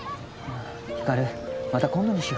ひかるまた今度にしよう